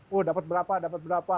wah dapat berapa dapat berapa